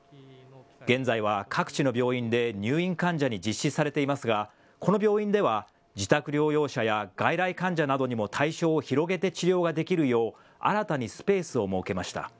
現在は各地の病院で入院患者に実施されていますがこの病院では自宅療養者や外来患者などにも対象を広げて治療ができるよう新たにスペースを設けました。